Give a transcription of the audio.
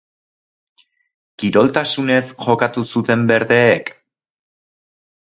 Kiroltasunez jokatu zuten berdeek?